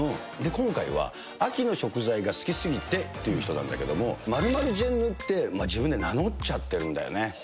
今回は、秋の食材が好きすぎてという人なんだけども、○○ジェンヌって自分で名乗っちゃってるんだよね。